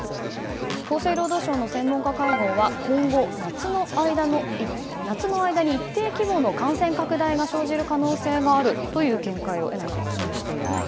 厚生労働省の専門家会合は今後、夏の間に一定規模の感染拡大が生じる可能性があるという見解を示しているんです。